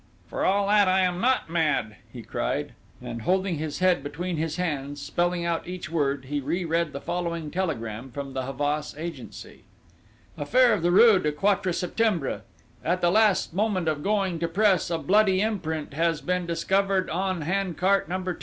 "For all that, I am not mad!" he cried. And, holding his head between his hands, spelling out each word, he reread the following telegram from the Havas Agency: Affair of the rue du Quatre Septembre "_At the last moment of going to press, a bloody imprint has been discovered on hand cart number 2.